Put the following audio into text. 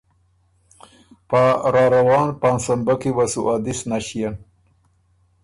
پا راروان پاںسمبۀ کی وه سُو ا دِس نݭيېن۔